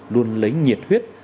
luôn lấy nhiệt huyết